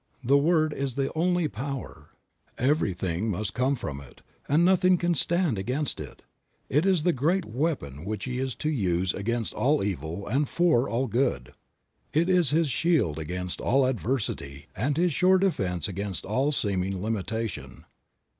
The word is the only power ; everything must come from it, and nothing can stand against it; it is the great weapon which he is to use against all evil and for all good. It is his shield against all adversity and his sure defense against all seeming limitation.